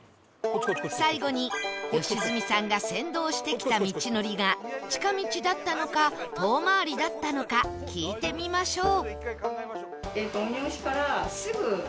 最後に良純さんが先導してきた道のりが近道だったのか遠回りだったのか聞いてみましょう